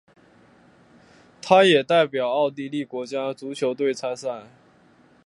他也代表奥地利国家足球队参赛。